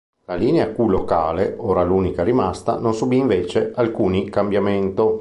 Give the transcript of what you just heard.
La linea Q locale, ora l'unica rimasta, non subì invece alcuni cambiamento.